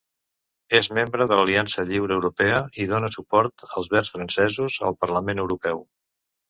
És membre de l'Aliança Lliure Europea, i dóna suport als Verds Francesos al Parlament Europeu.